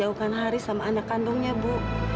menjauhkan haris sama anak kandungnya bu